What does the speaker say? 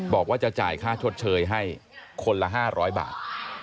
บอกว่าจะจ่ายค่าชดเชยให้คนละ๕๐๐บาท